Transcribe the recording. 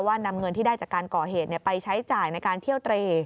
นำเงินที่ได้จากการก่อเหตุไปใช้จ่ายในการเที่ยวเตร